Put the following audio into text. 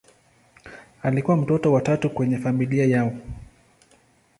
Alikuwa mtoto wa tatu kwenye familia yao.